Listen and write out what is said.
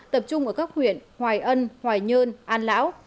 tập trung ở các huyện hoài ân hoài nhơn an lão